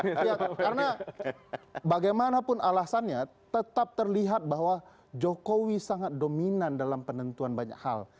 karena bagaimanapun alasannya tetap terlihat bahwa jokowi sangat dominan dalam penentuan banyak hal